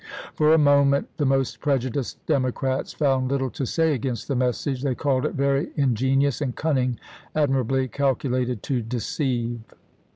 For a moment the most prejudiced Democrats found little to say against the message ; they called it " very ingenious and cunning, admirably calculated to deceive."